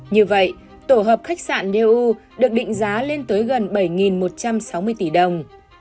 như vậy tổ hợp khách sạn dou được định giá lên tới gần bảy một trăm sáu mươi tỷ đồng